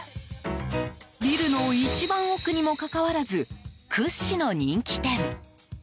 ビルの一番奥にもかかわらず屈指の人気店。